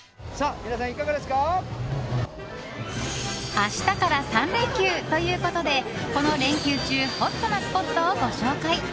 明日から３連休ということでこの連休中ホットなスポットをご紹介。